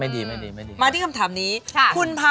เดี๋ยวเจอนักเรียน